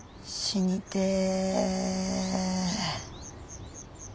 死にてえ。